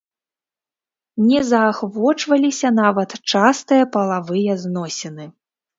Не заахвочваліся нават частыя палавыя зносіны.